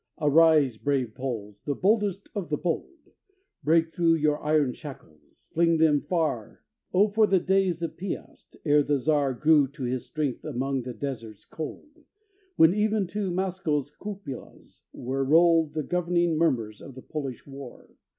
Arise, brave Poles, the boldest of the bold; Break through your iron shackles fling them far. O for those days of Piast, ere the Czar Grew to this strength among his deserts cold; When even to Moscow's cupolas were rolled The growing murmurs of the Polish war!